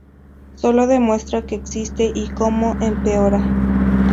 Sólo demuestra que existe y cómo empeora.